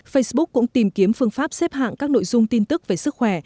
facebook cũng tìm kiếm phương pháp xếp hạng các nội dung tin tức về sức khỏe